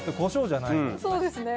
そうですね。